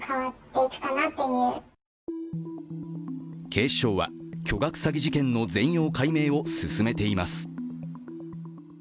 警視庁は巨額詐欺事件の全容解明を進めています。